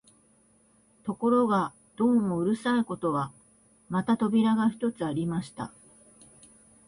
ところがどうもうるさいことは、また扉が一つありました